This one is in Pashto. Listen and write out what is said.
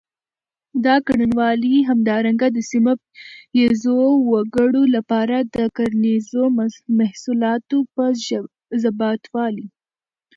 دا کړنلارې همدارنګه د سیمه ییزو وګړو لپاره د کرنیزو محصولاتو په زباتوالي.